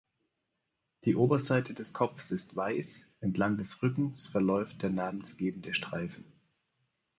Die Oberseite des Kopfes ist weiß, entlang des Rückens verläuft der namensgebende Streifen.